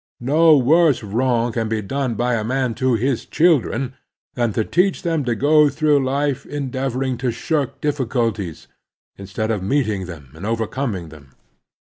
No worse wrong can be done by a man to his children than to teach them to go through life endeavoring to shirk diffictilties instead of meeting them and overcoming them.